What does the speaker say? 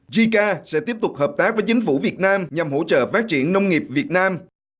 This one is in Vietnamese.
jica sẽ tiếp tục hợp tác với chính phủ việt nam nhằm hỗ trợ phát triển nông nghiệp việt nam